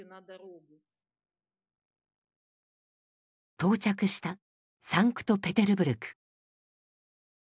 到着したサンクトペテルブルク。